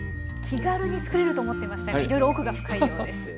気軽に作れると思ってましたがいろいろ奥が深いようです。